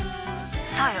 「そうよ！